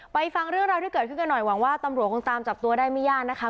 ฟังเรื่องราวที่เกิดขึ้นกันหน่อยหวังว่าตำรวจคงตามจับตัวได้ไม่ยากนะคะ